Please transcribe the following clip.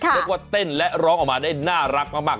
เรียกว่าเต้นและร้องออกมาได้น่ารักมาก